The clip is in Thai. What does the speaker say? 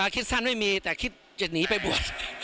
คิดสั้นไม่มีแต่คิดจะหนีไปบวช